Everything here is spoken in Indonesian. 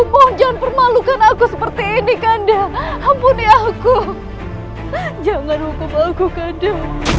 lagi kanda aku mau jangan permalukan aku seperti ini kanda ampuni aku jangan hukum aku kanda